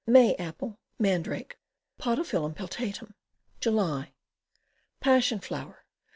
Oct. May Apple. Mandrake. Podophyllum peltatum. July. Passion flower.